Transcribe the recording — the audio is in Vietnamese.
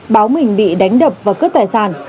báo mình bị đánh đập và cướp tài sản